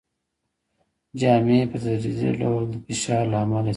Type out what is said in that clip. جامې په تدریجي ډول د فشار له امله څیریږي.